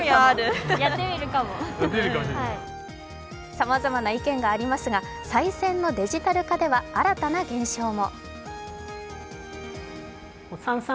さまざまな意見がありますがさい銭のデジタル化では新たな現象も。